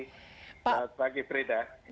selamat pagi frida